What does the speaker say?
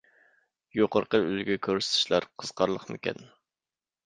يۇقىرىقى ئۈلگە كۆرسىتىشلەر قىزىقارلىقمىكەن؟